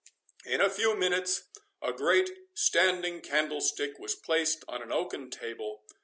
In a few minutes a great standing candlestick was placed on an oaken table.